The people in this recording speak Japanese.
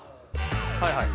はいはい。